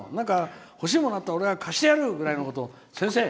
欲しいものあったら俺が貸してやる！ぐらいのことを先生！